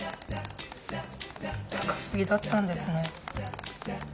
高すぎだったんですね。